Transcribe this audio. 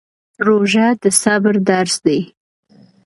روژه د صبر درس دی